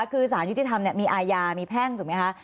คือสารยุติธรรมมีอายามีแพ่งถูกไหมคะ